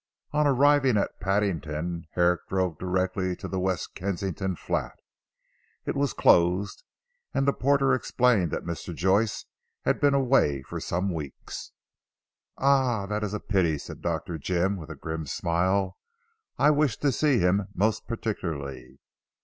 On arriving at Paddington, Herrick drove directly to the West Kensington Flat. It was closed, and the porter explained that Mr. Joyce had been away for some weeks. "Ah, that is a pity," said Dr. Jim with a grim smile. "I wished to see him most particularly."